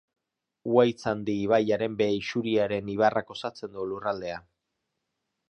Uhaitzandi ibaiaren behe-isuriaren ibarrak osatzen du lurraldea.